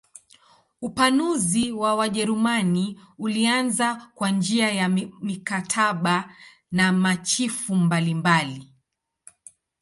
Upanuzi wa Wajerumani ulianza kwa njia ya mikataba na machifu mbalimbali.